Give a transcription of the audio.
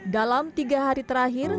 dalam tiga hari terakhir